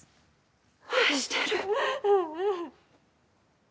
愛してる。